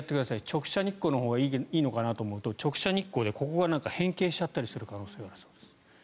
直射日光のほうがいいのかなと思うと直射日光でここが変形しちゃったりする可能性があるそうです。